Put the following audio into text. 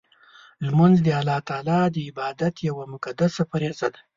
لمونځ د الله تعالی د عبادت یوه مقدسه فریضه ده.